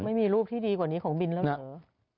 ไม่มีรูปที่ดีกว่านี้ของบินแล้วเหรอ